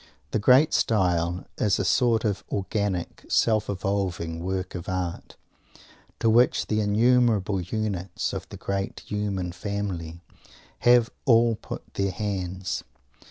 The great style is a sort of organic, self evolving work of art, to which the innumerable units of the great human family have all put their hands.